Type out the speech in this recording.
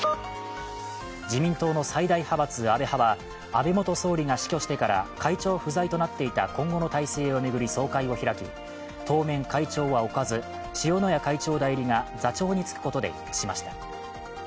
自民党の最大派閥・安倍派は安倍元総理が死去してから会長不在となっていた今後の体制を巡り、総会を開き、当面、会長は置かず、塩谷会長代理が座長に就くことで一致しました。